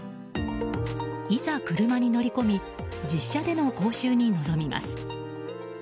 いざ車に乗り込み実車での講習に臨みます。